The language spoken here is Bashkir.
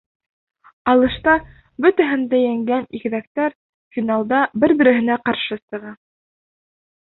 Алышта бөтәһен дә еңгән игеҙәктәр финалда бер-береһенә ҡаршы сыға.